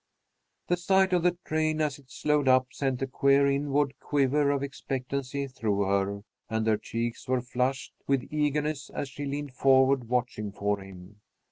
The sight of the train as it slowed up sent a queer inward quiver of expectancy through her, and her cheeks were flushed with eagerness as she leaned forward watching for him.